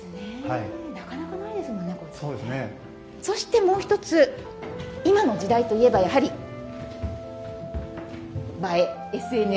そしてもう一つ今の時代といえばやはり映え。